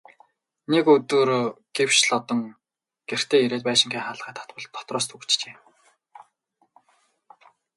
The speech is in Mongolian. Нэг өдөр гэвш Лодон гэртээ ирээд байшингийн хаалгаа татвал дотроос түгжжээ.